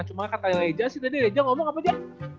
cuma kan tadi leja sih tadi leja ngomong apa dia